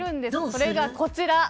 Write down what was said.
それがこちら。